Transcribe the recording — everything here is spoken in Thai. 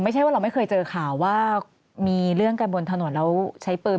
ไม่ใช่ว่าเราไม่เคยเจอข่าวว่ามีเรื่องกันบนถนนแล้วใช้ปืน